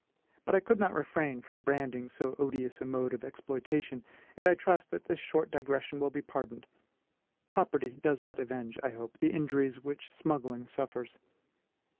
But I could not refrain from branding so odious a mode of exploitation, and I trust that this short digression will be pardoned. Property does not avenge, I hope, the injuries which smuggling suffers.